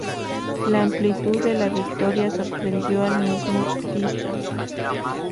La amplitud de la victoria sorprendió al mismo Tisza.